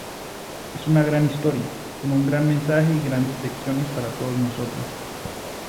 Es una gran historia, con un gran mensaje y grandes lecciones para todos nosotros.